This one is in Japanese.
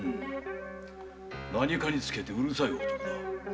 何かにつけてうるさい男だ。